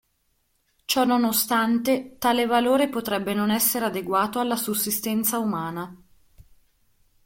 Ciò nonostante, tale valore potrebbe non essere adeguato alla sussistenza umana.